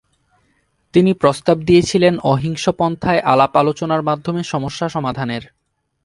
তিনি প্রস্তাব দিয়েছিলেন অহিংস পন্থায় আলাপ-আলোচনার মাধ্যমে সমস্যা সমাধানের।